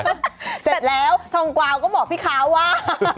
เสร็จแล้วทองกวาวก็บอกพี่ค้าว่า